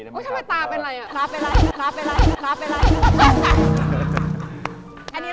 ทำไมตาเป็นไรฮะพลาบเป็นไร